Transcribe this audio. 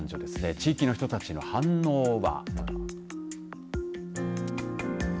地域の人たちの反応は。